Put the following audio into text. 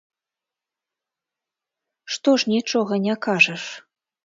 Што ж нічога не кажаш?